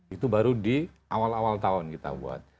itu baru di awal awal tahun kita buat